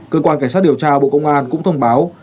cơ quan cảnh sát điều tra bộ công an cũng thông báo